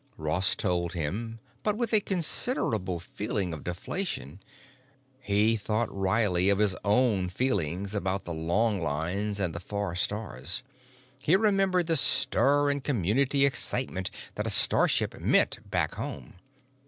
Ross told him, but with a considerable feeling of deflation. He thought wryly of his own feelings about the longlines and the far stars; he remembered the stir and community excitement that a starship meant back home.